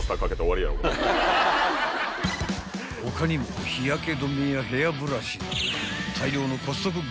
［他にも日焼け止めやヘアブラシ］